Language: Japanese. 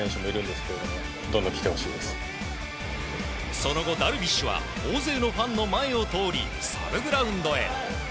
その後、ダルビッシュは大勢のファンの前を通りサブグラウンドへ。